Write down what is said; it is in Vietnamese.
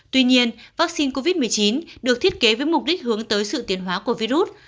tuy nhiên vaccine covid một mươi chín được thiết kế với mục đích hướng tới sự tiến hóa của virus